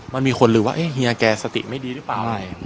มันมีคนหรือว่าเฮียแกสติไม่ดีหรือเปล่าอะไร